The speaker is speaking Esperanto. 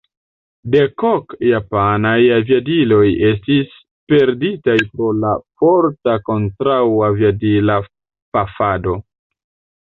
Dek ok japanaj aviadiloj estis perditaj pro la forta kontraŭ-aviadila pafado.